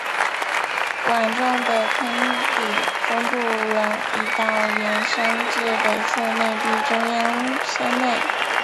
碗状的坑底分布了一道延伸至北侧内壁中央山脉。